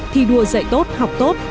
thì đùa dạy tốt học tốt